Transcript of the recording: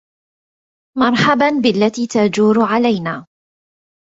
مرحبا بالتي تجور علينا